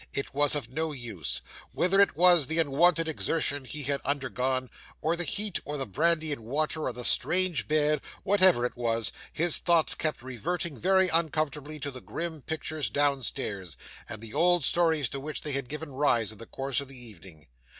It was of no use. Whether it was the unwonted exertion he had undergone, or the heat, or the brandy and water, or the strange bed whatever it was, his thoughts kept reverting very uncomfortably to the grim pictures downstairs, and the old stories to which they had given rise in the course of the evening.